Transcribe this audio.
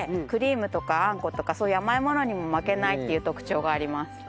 クリームとかあんことかそういう甘いものにも負けないっていう特徴があります。